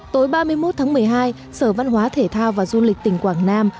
tối ba mươi một tháng một mươi hai sở văn hóa thể thao và du lịch tỉnh quảng nam